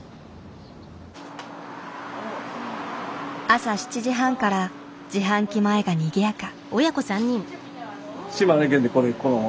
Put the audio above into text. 朝７時半から自販機前がにぎやか。